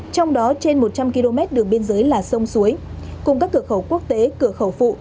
trong đó trên một trăm linh km đường biên giới là sông suối cùng các cửa khẩu quốc tế cửa khẩu phụ